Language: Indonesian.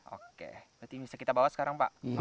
oke berarti bisa kita bawa sekarang pak